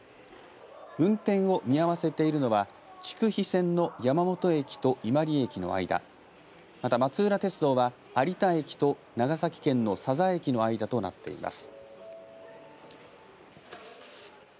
運転を見合わせているのは筑肥線の山本駅と伊万里駅の間また松浦鉄道は有田駅と長崎県の佐々駅の間となっています。